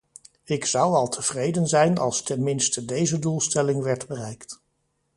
Ik zou al tevreden zijn als tenminste deze doelstelling werd bereikt.